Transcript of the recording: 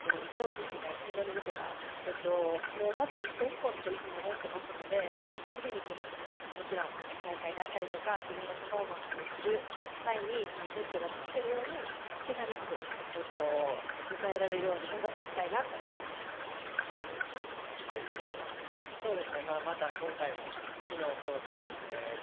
今後に向けた、まずは一歩一歩と思っていますので、次に来る大会であったりとか、自分がパフォーマンスをする際に、ベストが尽くせるように、けがなく迎えられるように頑張っていきたいなと思ありがとうございます。